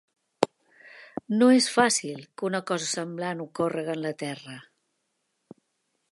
No és fàcil que una cosa semblant ocórrega en la Terra.